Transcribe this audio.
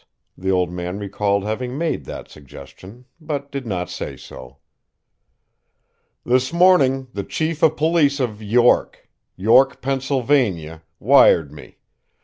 The old man recalled having made that suggestion, but did not say so. "This morning the chief of police of York York, Pennsylvania wired me.